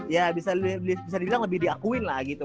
ya bisa dibilang lebih diakuin lah gitu